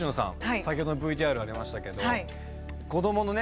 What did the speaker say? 先ほどのＶＴＲにありましたけど子供のね